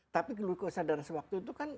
tapi glukosa darah sewaktu itu kan